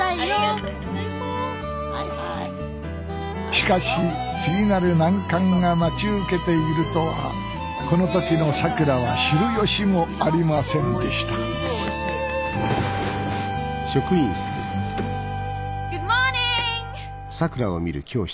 しかし次なる難関が待ち受けているとはこの時のさくらは知る由もありませんでしたグッドモーニング！